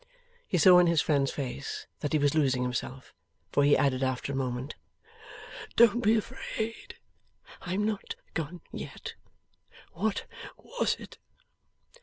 He saw in his friend's face that he was losing himself; for he added after a moment: 'Don't be afraid I am not gone yet. What was it?